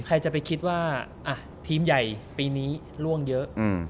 ใครจะไปคิดว่าทีมใหญ่ปีนี้ล่วงเยอะ